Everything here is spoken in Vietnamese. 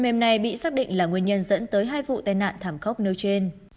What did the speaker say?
phần mềm này bị xác định là nguyên nhân dẫn tới hai vụ tai nạn thảm khốc nếu trên